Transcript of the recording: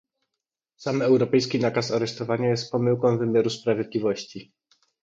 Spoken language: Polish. Sam europejski nakaz aresztowania jest pomyłką wymiaru sprawiedliwości